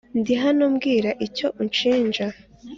ndihano mbwira icyo unshinja